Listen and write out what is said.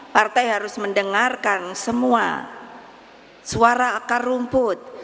partai harus mendengarkan semua suara akar rumput